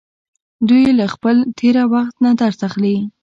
دوی له خپل تیره وخت نه درس اخلي.